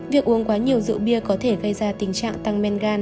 việc uống quá nhiều rượu bia có thể gây ra tình trạng tăng men gan